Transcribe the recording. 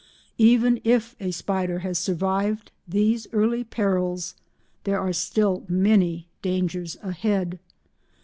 Even if a spider has survived these early perils there are still many dangers ahead.